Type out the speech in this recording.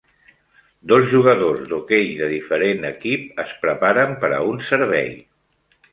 Dos jugadors d'hoquei de diferent equip es preparen per a un servei.